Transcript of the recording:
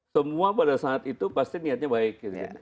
semua pada saat itu pasti niatnya baik